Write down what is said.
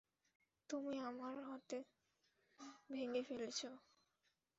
তুমি আমার হাত ভেঙে ফেলছো।